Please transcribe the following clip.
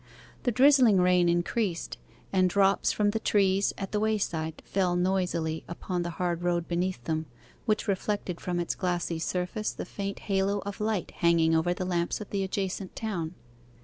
The drizzling rain increased, and drops from the trees at the wayside fell noisily upon the hard road beneath them, which reflected from its glassy surface the faint halo of light hanging over the lamps of the adjacent town.